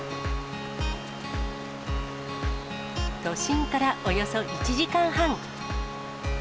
都心からおよそ１時間半。